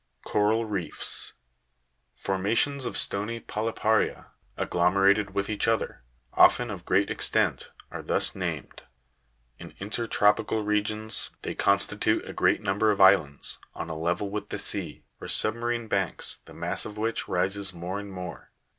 39. Coral reefs. Formations of stony polypa'ria, agglomerated with each other, often of great extent, are thus named ; in inter tropical regions they constitute a great number of islands, on a level with the sea, or submarine banks, the mass of which rises more and more.